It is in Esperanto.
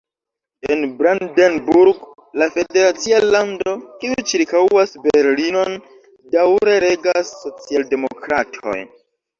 En Brandenburg, la federacia lando, kiu ĉirkaŭas Berlinon, daŭre regas socialdemokratoj.